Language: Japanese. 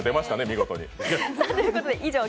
見事に。